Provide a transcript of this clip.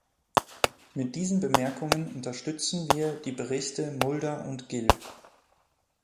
Mit diesen Bemerkungen unterstützen wir die Berichte Mulder und Gill.